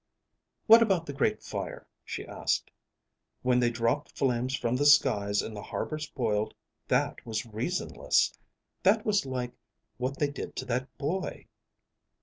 "What about the Great Fire?" she asked. "When they dropped flames from the skies and the harbors boiled, that was reasonless. That was like what they did to that boy."